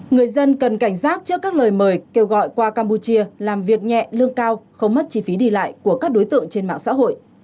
người dân cần cảnh giác trước các lời mời kêu gọi qua campuchia làm việc nhẹ lương cao không mất chi phí đi lại của các đối tượng trên mạng xã hội